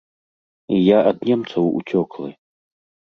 І я ад немцаў уцёклы.